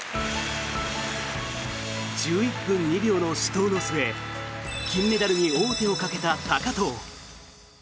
１１分２秒の死闘の末金メダルに王手をかけた高藤。